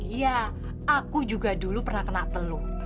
iya aku juga dulu pernah kena teluk